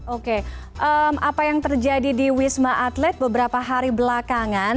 oke apa yang terjadi di wisma atlet beberapa hari belakangan